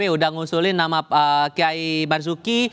sudah ngusulin nama kiai barsuki